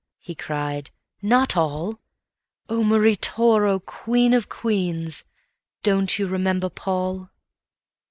he cried, "not all. Oh Marie Toro, queen of queens, don't you remember Paul?"